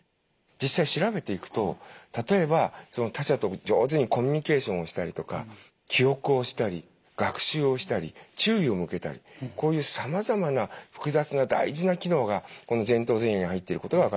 実際調べていくと例えば他者と上手にコミュニケーションをしたりとか記憶をしたり学習をしたり注意を向けたりこういうさまざまな複雑な大事な機能がこの前頭前野に入っていることが分かっています。